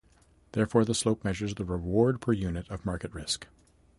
Therefore, the slope measures the reward per unit of market risk.